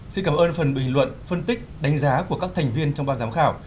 xin cảm ơn phần bình luận phân tích đánh giá của các thành viên trong ban giám khảo